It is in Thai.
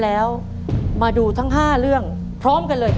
แบบช่วยดูเสลจคือทำทุกอย่างที่ให้น้องอยู่กับแม่ได้นานที่สุด